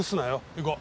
行こう。